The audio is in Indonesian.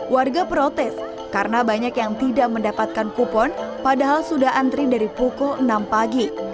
warga protes karena banyak yang tidak mendapatkan kupon padahal sudah antri dari pukul enam pagi